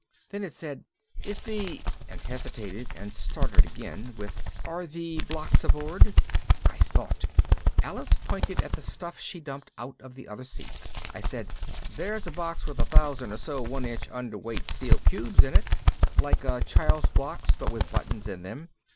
Then it said, "Is the " and hesitated, and started again with "Are the blocks aboard?" I thought. Alice pointed at the stuff she dumped out of the other seat. I said. "There's a box with a thousand or so one inch underweight steel cubes in it. Like a child's blocks, but with buttons in them.